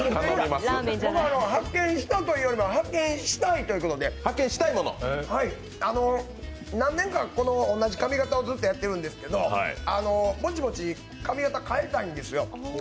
発見したというよりも発見したいということで、何年か、同じ髪形をずっとやってるんですけどぼちぼち髪形を変えたいんですよ。